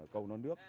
cầu nôn nước